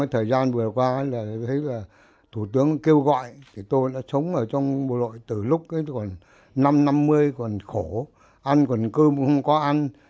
tôi đã sống ở trong bộ đội từ lúc còn năm năm mươi còn khổ ăn còn cơm không có ăn